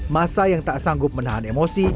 masa yang tak sanggup menahan emosi